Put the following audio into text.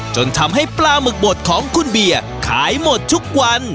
จนทำให้ปลาหมึกบดของคุณเบียร์ขายหมดทุกวัน